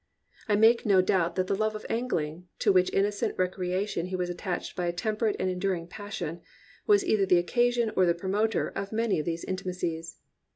I make no doubt that the love of angling, to which innocent recreation he was attached by a temperate and ensuring passion, was either the occasion or the promoter of many of these intimacies.